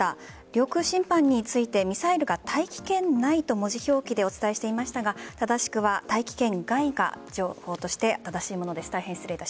領空侵犯についてミサイルが大気圏内と文字表記でお伝えしていましたが正しくは大気圏外が情報として正しいものでした。